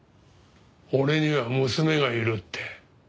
俺には娘がいるって。